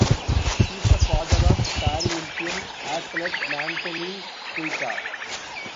He is the father of Paralympian athlete Nantenin Keita.